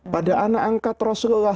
pada anak angkat rasulullah